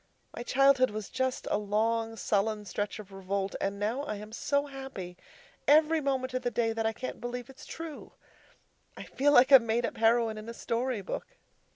My childhood was just a long, sullen stretch of revolt, and now I am so happy every moment of the day that I can't believe it's true. I feel like a made up heroine in a story book.